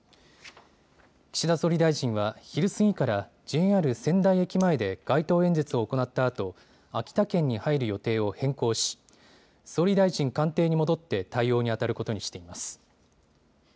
岸田総理大臣は昼過ぎからＪＲ仙台駅前で街頭演説を行ったあと秋田県に入る予定を変更し総理大臣官邸に戻って対応にあたることにしています。